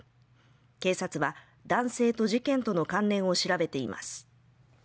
警察は男性と事件との関連を調べています